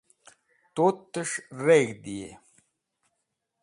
tu'tesh reg̃hd'ey